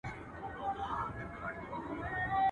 o آس مي در کی، پر سپرېږې به نه.